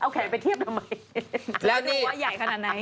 เอาแข็งไปเทียบทำไม